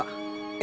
え？